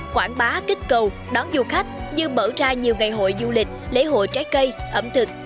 quảng bá kích cầu đón du khách như mở ra nhiều ngày hội du lịch lễ hội trái cây ẩm thực